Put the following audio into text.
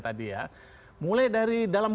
tadi ya mulai dari dalam